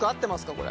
これ。